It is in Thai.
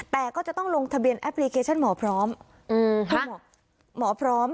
แต่ก็จะต้องลงทะเบียนแอปพลิเคชันหมอพร้อมคุณหมอพร้อม